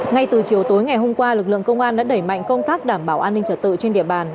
ngay từ chiều tối ngày hôm qua lực lượng công an đã đẩy mạnh công tác đảm bảo an ninh trật tự trên địa bàn